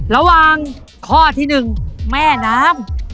ระหว่างข้อที่๑แม่น้ำ